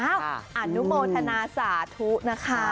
อนุโมทนาสาธุนะคะ